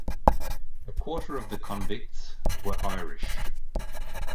A quarter of the convicts were Irish.